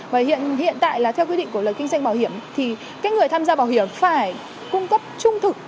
và hiện tại là theo quy định của luật kinh doanh bảo hiểm thì người tham gia bảo hiểm phải cung cấp trung thực